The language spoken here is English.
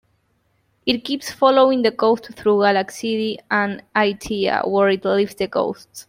It keeps following the coast through Galaxidi and Itea, where it leaves the coast.